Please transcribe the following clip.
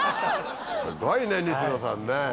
すごいね西野さんねぇ。